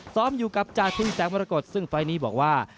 ซ้อมอยู่กับจาคุงแสงมรกฏซึ่งไฟล์นี้บอกว่า